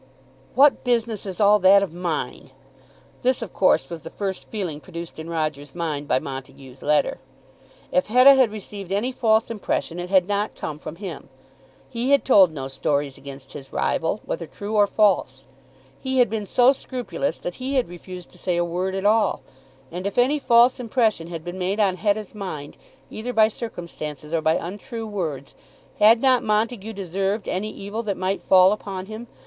What business is all that of mine? This, of course, was the first feeling produced in Roger's mind by Montague's letter. If Hetta had received any false impression, it had not come from him. He had told no stories against his rival, whether true or false. He had been so scrupulous that he had refused to say a word at all. And if any false impression had been made on Hetta's mind, either by circumstances or by untrue words, had not Montague deserved any evil that might fall upon him?